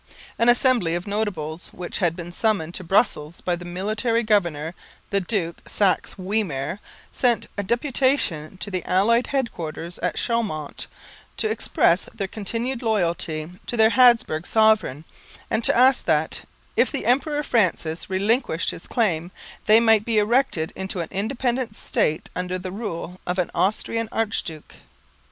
An assembly of notables, which had been summoned to Brussels by the military governor, the Duke of Saxe Weimar, sent a deputation to the allied headquarters at Chaumont to express their continued loyalty to their Habsburg sovereign and to ask that, if the Emperor Francis relinquished his claim, they might be erected into an independent State under the rule of an Austrian archduke.